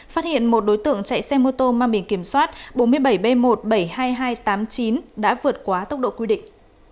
phát hiện một đối tượng chạy xe mô tô mang biển kiểm soát bốn mươi bảy b một trăm bảy mươi hai nghìn hai trăm tám mươi chín đã vượt quá tốc độ quy định